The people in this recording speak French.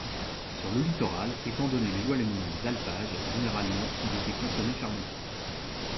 Sur le littoral, étant donné l'éloignement des alpages, généralement il était consommé fermenté.